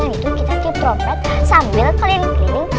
sambil kalian cleaning pesantren ini